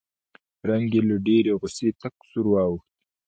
رنګ یې له ډېرې غوسې تک تور واوښت